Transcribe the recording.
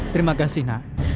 terima kasih na